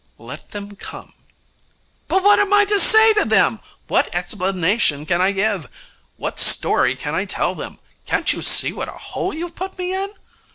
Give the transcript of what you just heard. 'Let them come.' 'But what am I to say to them? What explanation can I give? What story can I tell them? Can't you see what a hole you've put me in?'